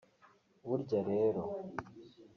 Burya rero